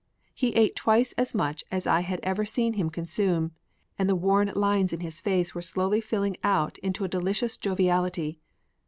He ate twice as much as I had ever seen him consume and the worn lines in his face were slowly filling out into a delicious joviality.